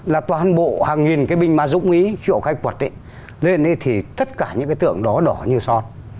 là toàn bộ hàng nghìn cái binh mà dũng ý khi họ khai quật lên thì tất cả những cái tượng đó đỏ như son